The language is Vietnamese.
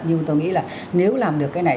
nhưng tôi nghĩ là nếu làm được cái này